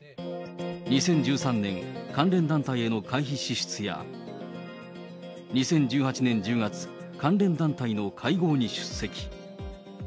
２０１３年、関連団体への会費支出や、２０１８年１０月、関連団体の会合に出席。